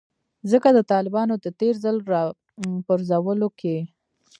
ځکه د طالبانو د تیر ځل راپرځولو کې